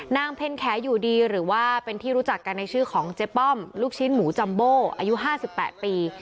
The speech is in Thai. เพ็ญแขอยู่ดีหรือว่าเป็นที่รู้จักกันในชื่อของเจ๊ป้อมลูกชิ้นหมูจัมโบอายุ๕๘ปี